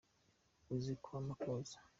Uzi kwa makuza?